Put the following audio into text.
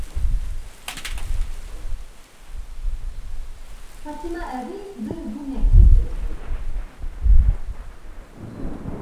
Фатима әбей бер күнәк килтереп ҡуйҙы.